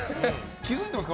気づいてますか？